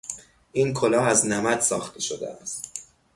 این کلاه از نمد ساخته شده است.